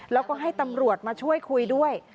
แล้วก็ให้ตำรวจมาช่วยคุยด้วย